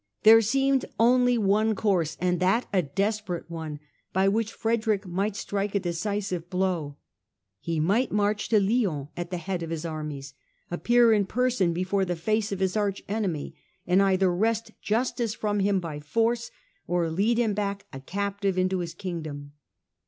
There seemed only one course, and that a desperate one, by which Frederick might strike a decisive blow. He might march to Lyons at the head of his armies, appear in person before the face of his arch enemy, and either wrest justice from him by force, or lead him back a captive into his Kingdom.